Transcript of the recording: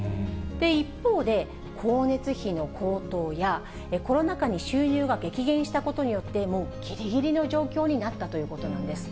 一方で、光熱費の高騰や、コロナ禍に収入が激減したことによって、ぎりぎりの状況になったということなんです。